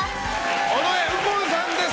尾上右近さんです！